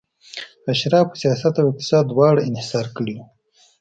اشرافو سیاست او اقتصاد دواړه انحصار کړي وو